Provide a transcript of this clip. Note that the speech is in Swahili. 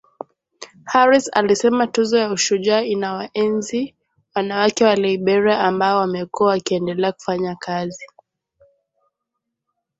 Harris alisema Tuzo ya Ushujaa inawaenzi wanawake wa Liberia ambao wamekuwa wakiendelea kufanya kazi